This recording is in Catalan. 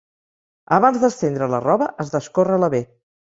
Abans d'estendre la roba, has d'escórrer-la bé.